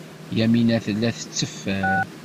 Yamina tella tetteffer.